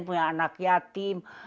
punya anak yatim